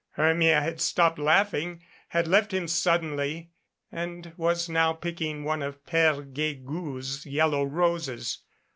Hermia had stopped laughing, had left him suddenly and was now picking one of Pere Guegou's yellow roses.